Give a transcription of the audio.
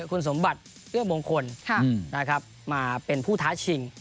คุณสมบัติเลือกมวงคนมาเป็นภูท้าชิง